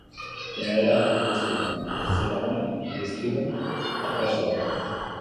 Finalera iritsi diren sei lagunak gustura eta prest daude.